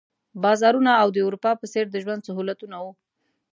بازارونه او د اروپا په څېر د ژوند سهولتونه وو.